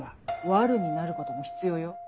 悪女になることも必要よ